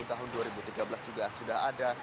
tahun dua ribu tiga belas juga sudah ada